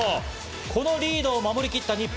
このリードを守りきった日本。